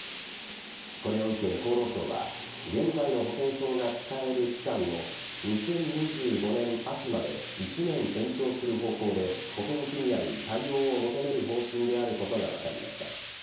これを受け、厚労省は現在の保険証が使える期間を２０２５年秋まで１年延長する方向で保険組合に対応を求める方針であることが分かりました。